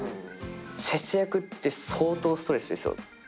節約って相当ストレスですよ。